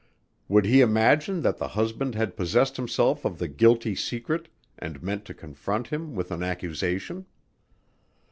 Would he imagine that the husband had possessed himself of the guilty secret and meant to confront him with an accusation?